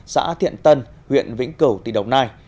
xã thiện tân huyện vĩnh cửu tỉ đồng nai